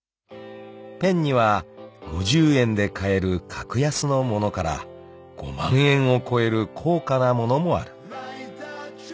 ［ペンには５０円で買える格安の物から５万円を超える高価な物もある］